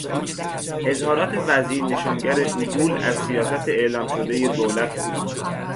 اظهارات وزیر نشانگر عدول از سیاست اعلام شدهی دولت بود.